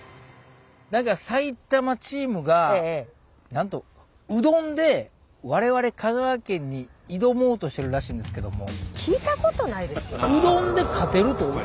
何か埼玉チームがなんとうどんで我々香川県に挑もうとしてるらしいんですけども。